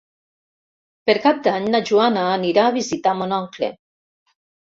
Per Cap d'Any na Joana anirà a visitar mon oncle.